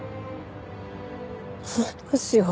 ああどうしよう。